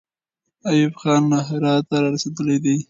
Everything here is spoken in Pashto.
ایوب خان له هراته را رسېدلی دی.